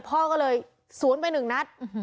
พ่อก็เลยสวนไป๑นัด